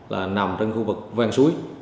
là nằm trên khu vực vang suối